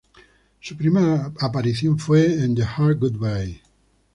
Su primera aparición fue en "The Hard Goodbye".